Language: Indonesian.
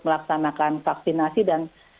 melaksanakan vaksinasi dan